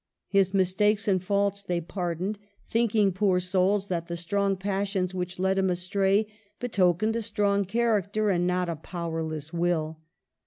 His mistakes and faults they pardoned ; thinking, poor souls, that the strong passions which led him astray betokened a strong character and not a power less will.